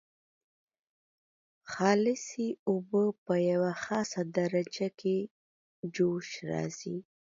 خالصې اوبه په یوه خاصه درجه کې جوش راځي.